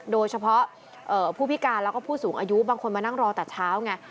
โดยเฉพาะผู้พิการแล้วก็ผู้สูงอายุบางคนมานั่งรอแต่เช้าไง